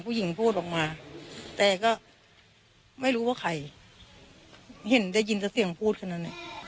ผู้หญิงพูดออกมาแต่ก็ไม่รู้ว่าใครเห็นได้ยินแต่เสียงพูดขนาดนี้